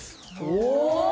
お！